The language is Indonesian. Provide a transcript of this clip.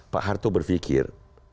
pak harto berfikir